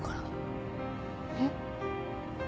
えっ？